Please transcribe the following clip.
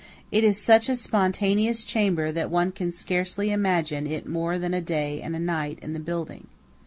It is such a spontaneous chamber that one can scarcely imagine it more than a day and a night in the building.